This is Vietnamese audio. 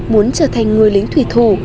muốn trở thành người lính thủy thù